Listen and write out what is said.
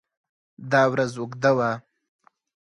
دا ورځ اوږده وه.